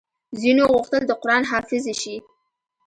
ځينو غوښتل د قران حافظې شي